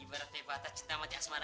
ibaratnya patah cinta mati asmara